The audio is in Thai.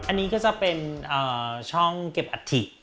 อันนี้ก็จะเป็นช่องเก็บอัฐิ